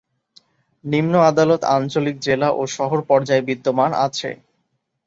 নিম্ন আদালত আঞ্চলিক, জেলা ও শহর পর্যায়ে বিদ্যমান আছে।